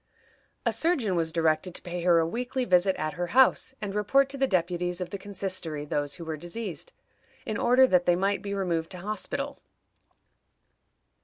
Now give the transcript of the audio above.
A surgeon was directed to pay her a weekly visit at her house, and report to the deputies of the Consistory those who were diseased, in order that they might be removed to hospital.